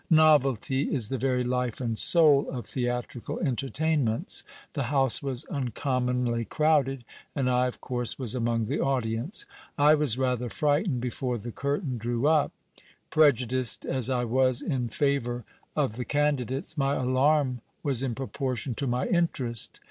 Novelty is the very life and soul of theatrical entertainments. The house was 426 GIL BLAS. uncommonly crowded, and I of course was among the audience. I was rather frightened before the curtain drew up. Prejudiced as I was in favour of the candidates, my alarm was in proportion to my interest.